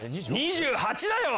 ２８だよ！